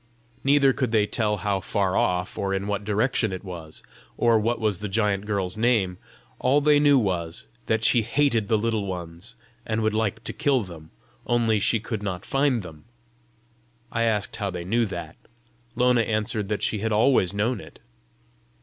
Neither could they tell how far off, or in what direction it was, or what was the giant girl's name; all they knew was, that she hated the Little Ones, and would like to kill them, only she could not find them. I asked how they knew that; Lona answered that she had always known it.